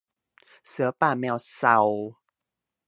เสือป่าแมวเซา